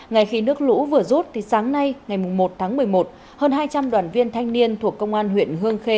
ngày khi nước lũ vừa rút sáng nay ngày một tháng một mươi một hơn hai trăm linh đoàn viên thanh niên thuộc công an huyện hương khê